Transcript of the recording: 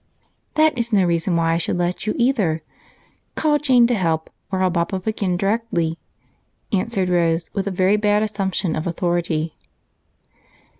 "That is no reason why I should let you either. Call Jane to help or I'll bob up again directly," answered Rose, with a very bad assumption of authority.